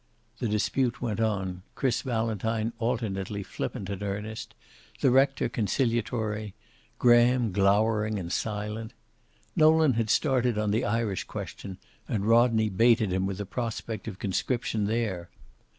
The dispute went on, Chris Valentine alternately flippant and earnest, the rector conciliatory, Graham glowering and silent. Nolan had started on the Irish question, and Rodney baited him with the prospect of conscription there.